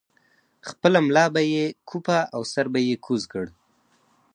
خپله ملا به یې کوپه او سر به یې کوز کړ.